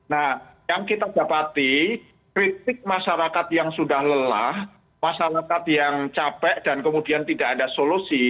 nah yang kita dapati kritik masyarakat yang sudah lelah masyarakat yang capek dan kemudian tidak ada solusi